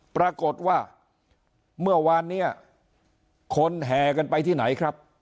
ปรากฏว่าเมื่อวานเนี่ยคนแห่กันไปที่ไหนครับ